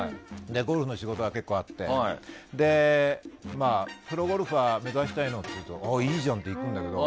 ゴルフの仕事が結構あってプロゴルファーを目指したいのって言うといいじゃんって言うんだけど。